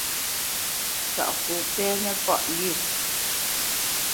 Ntaʼfo pɛ́nə páʼ lyé?